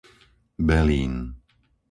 Belín